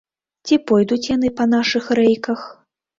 Ці пойдуць яны па нашых рэйках?